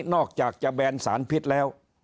อกจากจะแบนสารพิษแล้ว